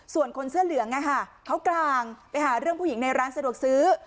ส่วนคนเสื้อเหลืองเขากลางไปหาเรื่องผู้หญิงในร้านสะดวกซื้อ